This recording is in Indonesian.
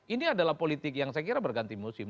ini adalah politik yang saya kira berganti musim